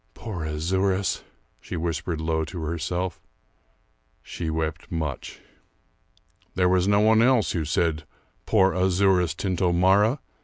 Poor Azouras," she whispered low to herself. She wept much. There was no one else who said "poor Azouras Tintomara!"